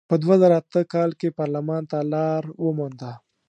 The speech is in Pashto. په دوه زره اته کال کې پارلمان ته لار ومونده.